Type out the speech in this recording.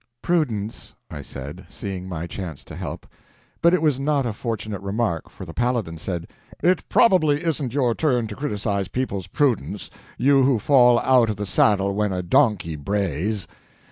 "Prudence," I said, seeing my chance to help. But it was not a fortunate remark, for the Paladin said: "It probably isn't your turn to criticize people's prudence—you who fall out of the saddle when a donkey brays."